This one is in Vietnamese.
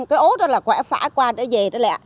cái ố đó là quẹo phải qua để về đó lẹ